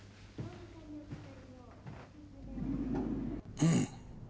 うん。